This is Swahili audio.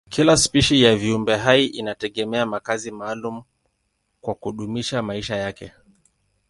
Kila spishi ya viumbehai inategemea makazi maalumu kwa kudumisha maisha yake.